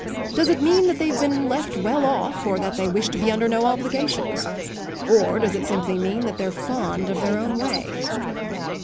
Does it mean that they've been left well off, or that they wish to be under no obligations? or does it simply mean that they're fond of their own way?"